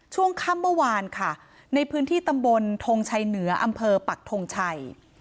ช่วงค่ำเมื่อวานค่ะในพื้นที่ตำบลทงชัยเหนืออำเภอปักทงชัย